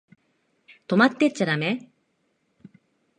泊まってっちゃだめ？